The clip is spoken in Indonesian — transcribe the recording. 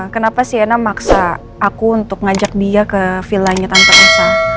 kenapa sienna maksa aku untuk ngajak dia ke vilanya tanpa rasa